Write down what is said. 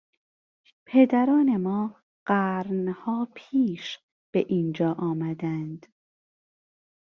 پدران ما قرنها پیش به اینجا آمدند.